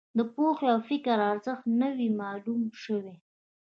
د پوهې او فکر ارزښت نه وي معلوم شوی.